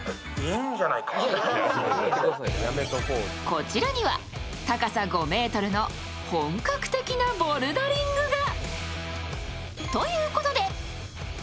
こちらには高さ５ｍの本格的なボルダリングが。